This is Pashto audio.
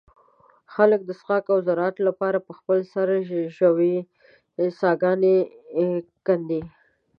خلک د څښاک او زراعت له پاره په خپل سر ژوې څاګانې کندي.